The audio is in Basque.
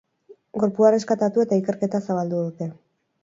Gorpua erreskatatu eta ikerketa zabaldu dute.